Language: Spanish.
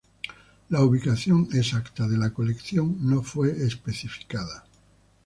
La ubicación exacta de la colección no fue especificada.